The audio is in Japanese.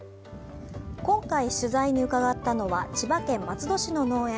今回取材に伺ったのは千葉県松戸市の農園。